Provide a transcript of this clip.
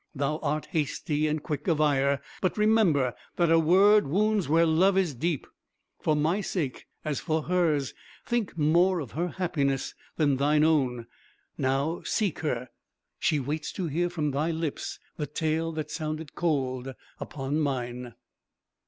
Thou art hasty and quick of ire; but remember that a word wounds where love is deep. For my sake, as for hers, think more of her happiness than thine own; now seek her she waits to hear from thy lips the tale that sounded cold upon mine."